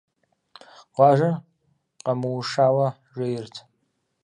Къуажэр къэмыушауэ жейрт.